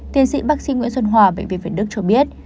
tiến sĩ bác sĩ nguyễn xuân hòa bệnh viện việt đức cho biết